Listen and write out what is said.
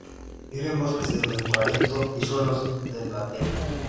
Vive en bosques de eucalipto y suelos de laterita.